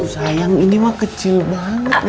sayang ini mah kecil banget